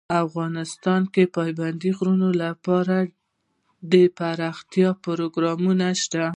افغانستان کې د پابندی غرونه لپاره دپرمختیا پروګرامونه شته.